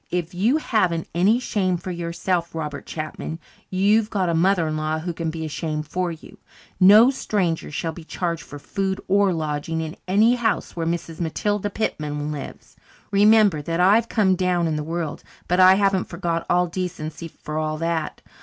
"If you haven't any shame for yourself, Robert Chapman, you've got a mother in law who can be ashamed for you. No strangers shall be charged for food or lodging in any house where Mrs. Matilda Pitman lives. Remember that I've come down in the world, but I haven't forgot all decency for all that.